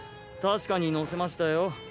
確かに乗せましたよ。